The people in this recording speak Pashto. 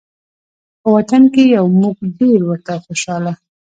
په وطن کې یو موږ ډېر ورته خوشحاله